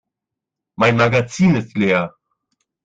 Mein Magazin ist leer.